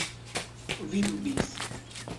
Vidu bis.